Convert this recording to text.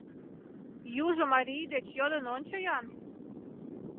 Южо марий деч йодын ончо-ян: